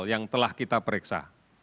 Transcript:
yang telah kita periksa